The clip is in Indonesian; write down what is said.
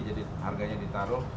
jadi harganya ditaruh